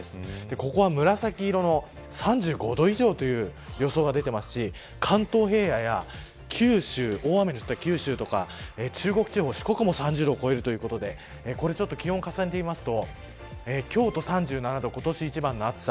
ここは紫色の、３５度以上という予想が出ていますし関東平野や九州中国地方、四国も３０度を超えるということで気温を重ねてみますと京都３７度、今年一番の暑さ。